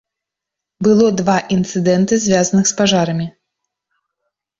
Было два інцыдэнты, звязаных з пажарамі.